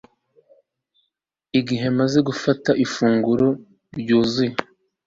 Igihe umaze gufata ifunguro ryuzuye